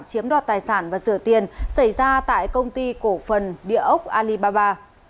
chiếm đoạt tài sản và rửa tiền xảy ra tại công ty cổ phần địa ốc alibaba